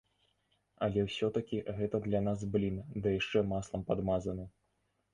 Але ўсё-такі гэта для нас блін ды яшчэ маслам падмазаны.